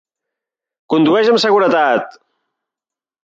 Condueix amb seguretat!